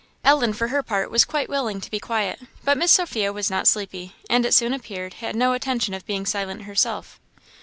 Ellen for her part was quite willing to be quiet. But Miss Sophia was not sleepy, and it soon appeared had no intention of being silent herself.